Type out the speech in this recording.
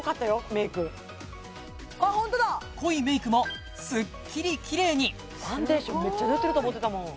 メイク濃いメイクもすっきりキレイにファンデーションめっちゃ塗ってると思ってたもん